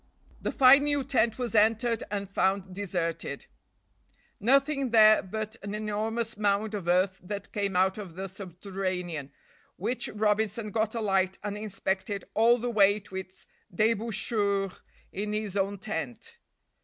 The fine new tent was entered and found deserted, nothing there but an enormous mound of earth that came out of the subterranean, which Robinson got a light and inspected all the way to its debouchure in his own tent.